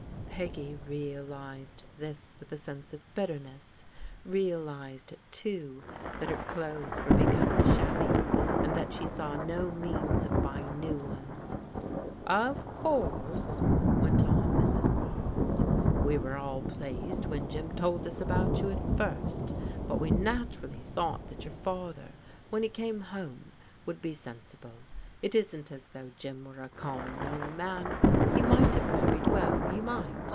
Peggy realized this with a sense of bitterness ; realized, too, that her clothes were becoming shabby, and that she saw no means of buying new ones. "Of course," went on Mrs. Barnes, "we were all pleased when Jim told us about you at first; but we naturally thought that your father, when he came home, would be sensible. It isn't as though Jim were a com mon young man ; he might have married well, he might.